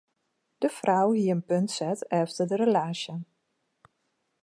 De frou hie in punt set efter de relaasje.